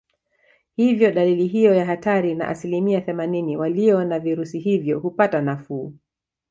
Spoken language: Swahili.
Hivyo dalili hiyo ya hatari na asilimia themanini walio na virusi hivyo hupata nafuu